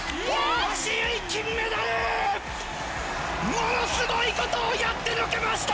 ものすごいことをやってのけました！